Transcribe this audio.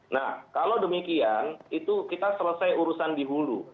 nah kalau demikian itu kita selesai urusan dihulu